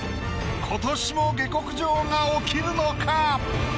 今年も下克上が起きるのか？